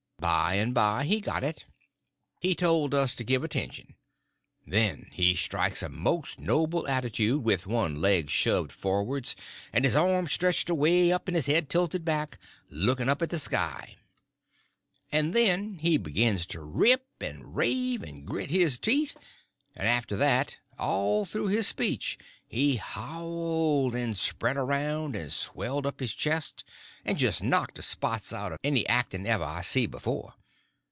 By and by he got it. He told us to give attention. Then he strikes a most noble attitude, with one leg shoved forwards, and his arms stretched away up, and his head tilted back, looking up at the sky; and then he begins to rip and rave and grit his teeth; and after that, all through his speech, he howled, and spread around, and swelled up his chest, and just knocked the spots out of any acting ever I see before.